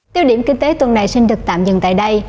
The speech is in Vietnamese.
tiêu điểm kinh tế tuần này xin được tạm dừng tại đây